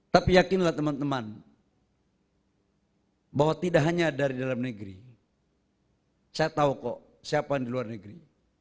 tapi yakinlah teman teman bahwa tidak hanya dari dalam negeri saya tahu kok siapa yang di luar negeri